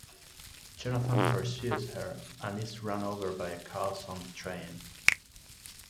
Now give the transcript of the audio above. Jonathan pursues her and is run over by a Carlsson train.